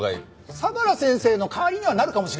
相良先生の代わりにはなるかもしれませんよ